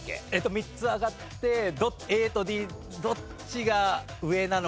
３つ挙がってＡとＤどっちが上なのか。